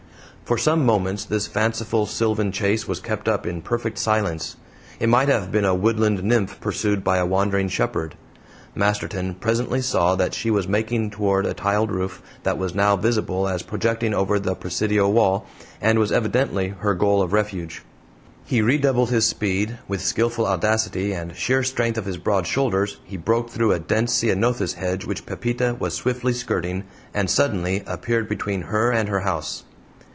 For some moments this fanciful sylvan chase was kept up in perfect silence; it might have been a woodland nymph pursued by a wandering shepherd. Masterton presently saw that she was making toward a tiled roof that was now visible as projecting over the presidio wall, and was evidently her goal of refuge. He redoubled his speed; with skillful audacity and sheer strength of his broad shoulders he broke through a dense ceanothus hedge which Pepita was swiftly skirting, and suddenly appeared between her and her house.